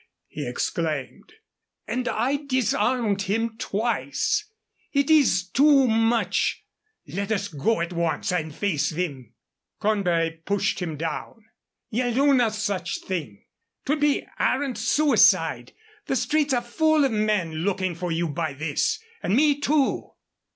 he exclaimed; "and I disarmed him twice. It is too much let us go at once and face them." Cornbury pushed him down. "Ye'll do no such thing. 'Twould be arrant suicide. The streets are full of men looking for you by this and me, too."